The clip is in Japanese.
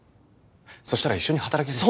そしたら一緒に働ける。